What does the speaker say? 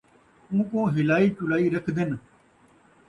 اوکوں ہِلائی چُلائی رکھدِن ۔